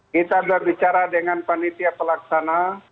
kita berbicara dengan panitia pelaksana